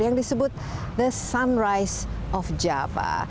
yang disebut the sunrise of java